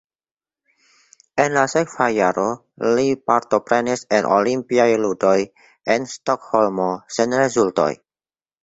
En la sekva jaro li partoprenis en Olimpiaj ludoj en Stokholmo sen rezultoj.